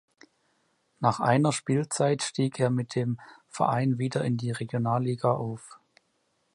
Nach einer Spielzeit stieg er mit dem Verein wieder in die Regionalliga auf.